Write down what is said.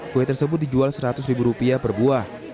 kue tersebut dijual seratus ribu rupiah per buah